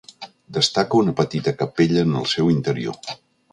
Destaca una petita capella en el seu interior.